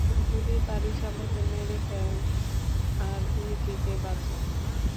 যদি পারিস আমাকে মেরে ফেল, আর নিজেকে বাঁচা।